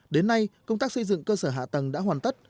đến nay công tác xây dựng cơ sở hạ tầng đã hoàn tất